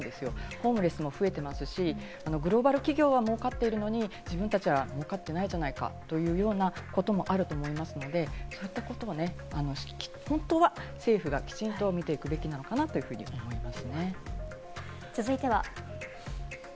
ホームレスも増えてますし、グローバル企業は儲かってるのに自分たちは儲かってないじゃないかというようなこともあり、そういったことを本当は政府はきちんと見ていくべきなのかなと思続いては。